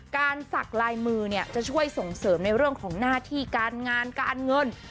สักลายมือเนี่ยจะช่วยส่งเสริมในเรื่องของหน้าที่การงานการเงิน